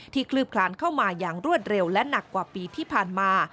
คลืบคลานเข้ามาอย่างรวดเร็วและหนักกว่าปีที่ผ่านมา